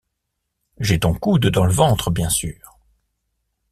J’ai ton coude dans le ventre, bien sûr.